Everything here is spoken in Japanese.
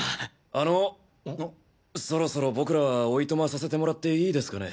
あのそろそろ僕らはおいとまさせてもらっていいですかね？